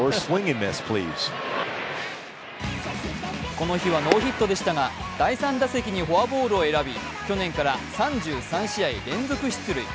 この日はノーヒットでしたが第３打席にフォアボールを選び去年から３３試合連続出塁。